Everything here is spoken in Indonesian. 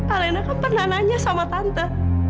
kalena kan pernah nanya sama tante